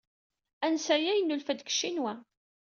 Ansay-a yennulfa-d deg Ccinwa.